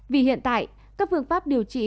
vì hiện tại các phương pháp điều trị